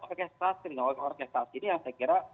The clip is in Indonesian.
progestasi dengan orgestasi ini yang saya kira